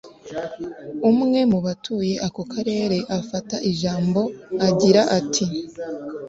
umwe mu batuye ako karere afata ijambo, agira ati